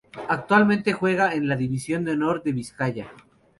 Actualmente juega en la División de Honor de Vizcaya.